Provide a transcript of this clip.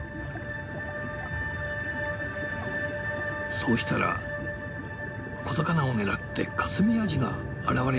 そうしたら小魚を狙ってカスミアジが現れました。